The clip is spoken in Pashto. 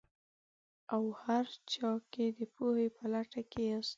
او هر څه کې د پوهې په لټه کې ياستئ.